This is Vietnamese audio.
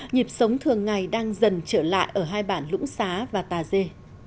nhịp sống thường ngày đang dần trở lại ở hai bản lũng xá và tà dê